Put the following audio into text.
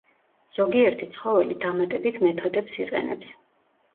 ზოგიერთი ცხოველი დამატებით მეთოდებს იყენებს.